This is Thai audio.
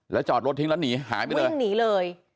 จอดรถทิ้งแล้วหนีหายไปเลยวิ่งหนีเลย